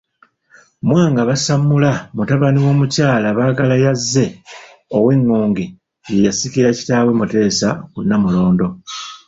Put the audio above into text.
Mwanga Basammula mutabani w'omukyala Baagalaayaze ow'Engonge ye yasikira kitaawe Mutesa ku Nnamulondo.